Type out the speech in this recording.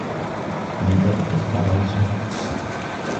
الْبَرْدُ قَارِسٌ.